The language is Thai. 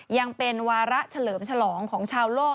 ยังเป็นวาระเฉลิมฉลองของชาวโลก